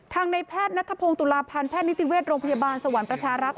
ในแพทย์นัทพงศ์ตุลาพันธ์แพทย์นิติเวชโรงพยาบาลสวรรค์ประชารักษ์